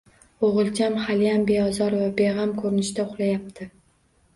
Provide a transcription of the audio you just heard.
O`g`ilcham haliyam beozor va beg`am ko`rinishda uxlayapti